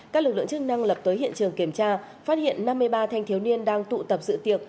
các lực lượng chức năng lập tới hiện trường kiểm tra phát hiện năm mươi ba thanh thiếu niên đang tụ tập sự tiệc